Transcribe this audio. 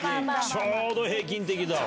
ちょうど平均的だわ。